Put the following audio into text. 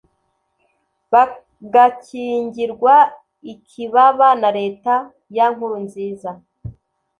bagakingirwa ikibaba na Leta ya Nkurunziza